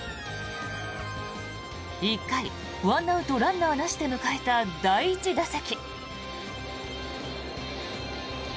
１回、１アウトランナーなしで迎えた第１打席。